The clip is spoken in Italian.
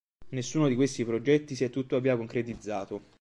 Nessuno di questi progetti si è tuttavia concretizzato.